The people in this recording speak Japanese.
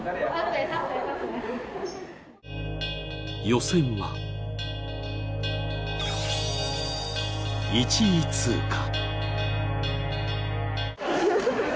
予選は１位通過。